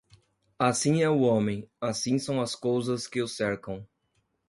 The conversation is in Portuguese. Assim é o homem, assim são as cousas que o cercam.